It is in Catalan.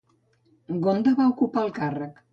Ghonda va ocupar el càrrec.